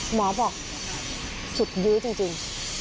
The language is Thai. หมอบอกสุดยื้อจริง